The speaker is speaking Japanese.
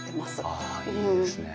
ああいいですね。